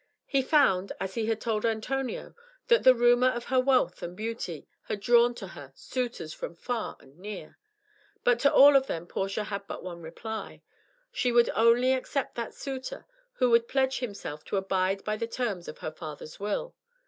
He found, as he had told Antonio, that the rumor of her wealth and beauty had drawn to her suitors from far and near. But to all of them Portia had but one reply. She would only accept that suitor who would pledge himself to abide by the terms of her father's will.